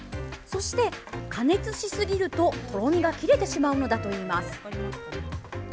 そして、加熱しすぎるととろみがきれてしまうのだといいます。